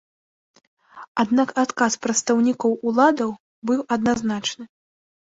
Аднак адказ прадстаўнікоў уладаў быў адназначны.